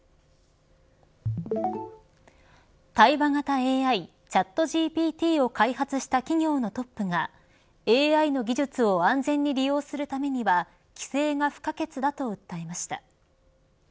対話型ＡＩチャットＧＰＴを開発した企業のトップがＡＩの技術を安全に利用するためには規制が不可欠だと訴えました。